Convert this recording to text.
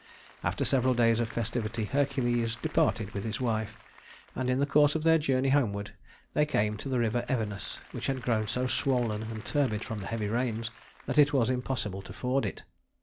After several days of festivity Hercules departed with his wife; and in the course of their journey homeward, they came to the river Evenus, which had grown so swollen and turbid from the heavy rains that it was impossible to ford it.